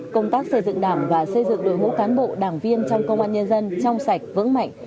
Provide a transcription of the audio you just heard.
công tác xây dựng đảng và xây dựng đội ngũ cán bộ đảng viên trong công an nhân dân trong sạch vững mạnh